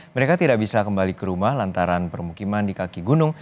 mereka tidak bisa kembali ke rumah lantaran permukiman di kaki gunung